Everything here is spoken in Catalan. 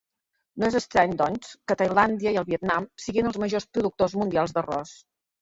No és estrany, doncs, que Tailàndia i el Vietnam siguin els majors productors mundials d’arròs.